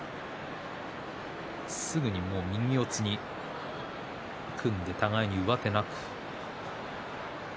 すぐに右四つに組んで互いに上手がなく。